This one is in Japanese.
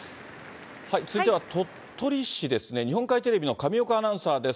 続いては、鳥取市ですね、日本海テレビの神岡アナウンサーです。